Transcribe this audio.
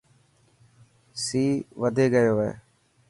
سي وڌي گيو هي.